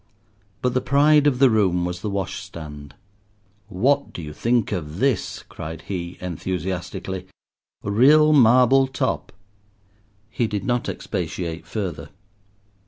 But the pride of the room was the washstand. "What do you think of this?" cried he enthusiastically, "real marble top—" He did not expatiate further.